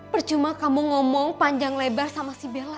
percuma kamu ngomong panjang lebar sama si bella